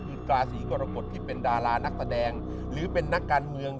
คือราศีกรกฎที่เป็นดารานักแสดงหรือเป็นนักการเมือง